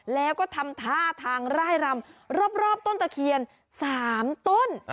แล้วก็ทำท่าทางร่ายรำรอบต้นตะเคียน๓ต้น